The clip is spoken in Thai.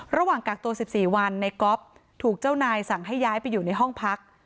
ระหว่างกักตัว๑๔วันในก๊อฟถูกเจ้านายสั่งให้ย้ายไปอยู่ในห้องพัก